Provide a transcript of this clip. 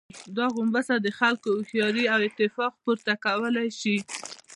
دا غومبسه د خلکو هوښياري او اتفاق، پورته کولای شي.